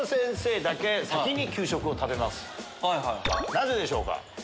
なぜでしょうか？